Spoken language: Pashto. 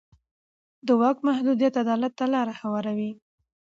د واک محدودیت عدالت ته لاره هواروي